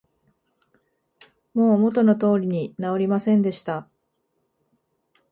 もう元の通りに直りませんでした